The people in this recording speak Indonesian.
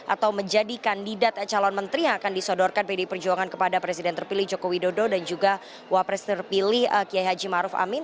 atau menjadi kandidat calon menteri yang akan disodorkan pdi perjuangan kepada presiden terpilih joko widodo dan juga wapres terpilih kiai haji maruf amin